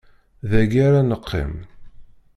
Dagi ara neqqim!